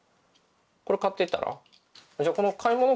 これ買っていったら？